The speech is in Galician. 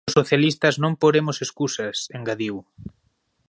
Os socialistas non poremos escusas, engadiu.